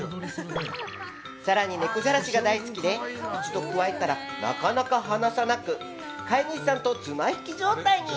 更に、ネコじゃらしが大好きで一度くわえたらなかなか離さなく飼い主さんと綱引き状態に。